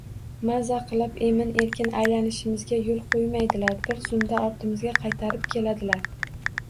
— Mazza qilib emin-erkin aylanishimizga yo’l qo’ymaydilar. Bir zumda ortimizga qaytarib keladilar.